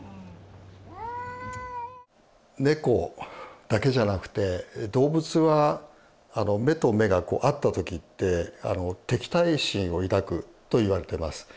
ネコだけじゃなくて動物は目と目がこう合った時って敵対心を抱くといわれてます。